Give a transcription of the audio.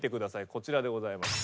こちらでございます。